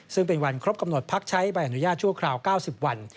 ซึ่งเป็นวันครบกำหนดพักใช้ใบอนุญาตชั่วคราว๙๐วัน